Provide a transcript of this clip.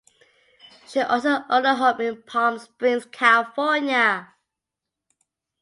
She also owned a home in Palm Springs, California.